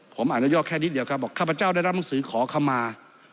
ผมอนุญาตแค่นิดเดียวครับบอกข้าพเจ้าได้รับหนังสือขอคำมา